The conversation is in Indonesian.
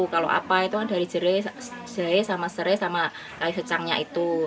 kalau apa itu dari jerai sama serai sama kaisecangnya itu